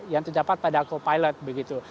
yang terdapat pada co pilot begitu